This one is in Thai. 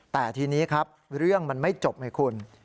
แต่ทีนี้ครับเรื่องมันไม่จบไงคุณ